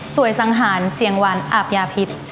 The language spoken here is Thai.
สวยสังหารเสียงหวานอาบยาพิษ